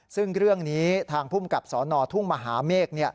ซึ่งเรื่องนี้ทางภูมิกับสนทุ่งมหาเมฆ